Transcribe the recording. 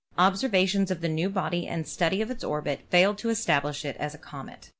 Observations of the new body and study of its orbit failed to establish it as a comet.